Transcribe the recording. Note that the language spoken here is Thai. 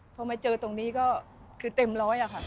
พอมาเจอตรงนี้ก็คือเต็มร้อยอะค่ะ